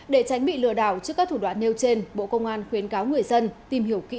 để tránh bị lừa đảo trước các thủ đoạn nêu trên bộ công an khuyến cáo người dân tìm hiểu kỹ